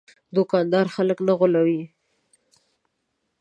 دوکاندار خلک نه غولوي.